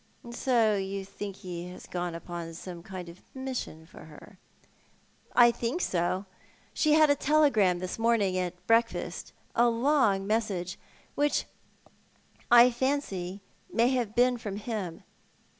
"And you think he has gone upon some kind of mission for her." " I think so. She had a telegram this morning at breakfast — a long message — which I fancy may have been from him."